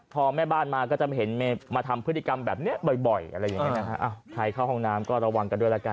พอแม่บ้านมาก็จะเห็นมาทำพฤติกรรมแบบนี้บ่อยอะไรอย่างนี้นะฮะใครเข้าห้องน้ำก็ระวังกันด้วยละกัน